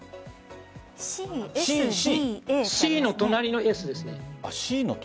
Ｃの隣のＳです。